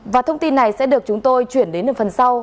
và thông tin này sẽ được chúng tôi chuyển đến được phần sau